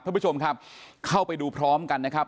ท่านผู้ชมครับเข้าไปดูพร้อมกันนะครับ